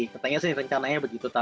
katanya sih rencananya begitu